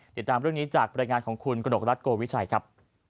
เดี๋ยวตามเรื่องนี้จากบริงานของคุณกนกรัฐโกวิทย์ชัยครับ